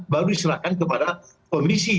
baru diserahkan kepada komisi